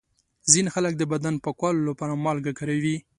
ځینې خلک د بدن پاکولو لپاره مالګه کاروي.